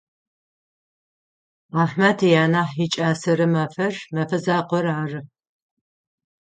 Ахьмэд янахь икӏасэрэ мэфэр мэфэзакъор ары.